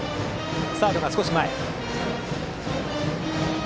サードは少し前。